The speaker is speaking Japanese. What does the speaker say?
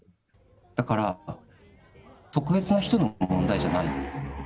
だから、特別な人の問題じゃない。